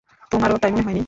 তোমারও তাই মনে হয়নি?